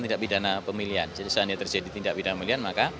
tindak bidana pemilihan